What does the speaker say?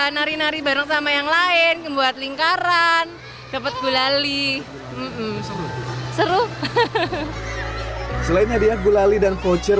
nari nari bareng sama yang lain membuat lingkaran dapat gulali seru selain hadiah gulali dan voucher